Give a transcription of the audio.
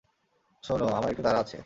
শোনো, আমার একটু তাড়া আছে!